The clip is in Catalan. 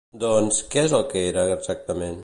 Doncs, què és el que era exactament?